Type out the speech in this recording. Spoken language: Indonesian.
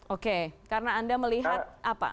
oke karena anda melihat apa